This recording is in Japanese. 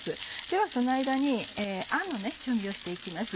ではその間にあんの準備をして行きます。